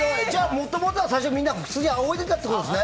もともとは普通にみんなあおいでたってことですね。